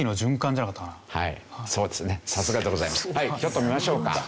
ちょっと見ましょうか。